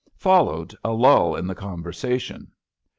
Followed a lull in the conversation.